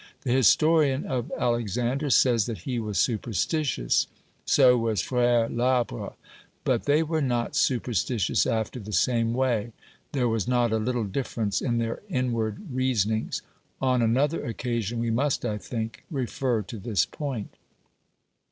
The historian of Alexander says that he was superstitious ; so was Frere Labre ; but they were not superstitious after the same way; there was not a little difference in their inward reasonings. On another occa sion we must, I think, refer to this point.